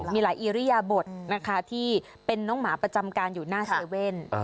มีหลายอิริยบทนะคะที่เป็นน้องหมาประจำการอยู่หน้าเซเว่น